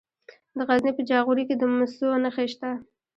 د غزني په جاغوري کې د مسو نښې شته.